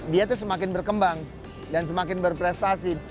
dia tuh semakin berkembang dan semakin berprestasi